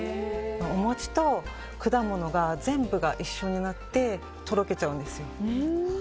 お餅と果物が全部が一緒になってとろけちゃうんですよ。